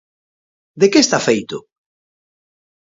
De que está feito?